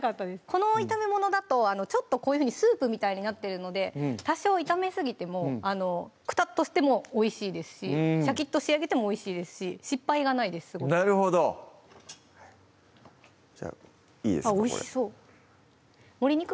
この炒め物だとちょっとスープみたいになってるので多少炒めすぎてもクタッとしてもおいしいですしシャキッと仕上げてもおいしいですし失敗がないですなるほどじゃあいいですね